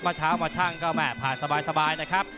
เมื่อเช้ามาช่างก็แม่ผ่านสบายนะครับ